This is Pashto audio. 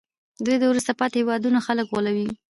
دوی د وروسته پاتې هېوادونو خلک غولوي